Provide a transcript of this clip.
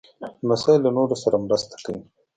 لمسی له نورو سره مرسته کوي.